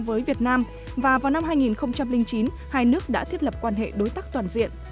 với việt nam và vào năm hai nghìn chín hai nước đã thiết lập quan hệ đối tác toàn diện